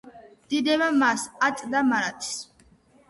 დიდება მას აწ და მარადის.